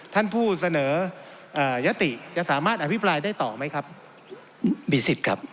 ท่านผู้เสนอยติจะสามารถอภิปรายได้ต่อไหมครับ